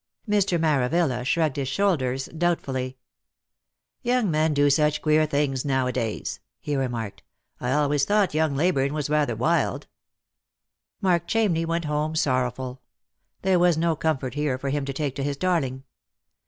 Mr. Maravilla shrugged his shoulders doubtfully. " Young men do such queer things nowadays," he remarked. " I always thought young Leyburne was rather wild." Mark Chamney went home sorrowful. There was no comfort here for him to take to his darling.